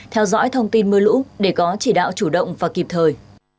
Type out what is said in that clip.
theo dõi thông tin mưa lũ để có chỉ đạo chủ động và kịp thời